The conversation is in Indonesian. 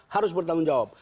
harus bertanggung jawab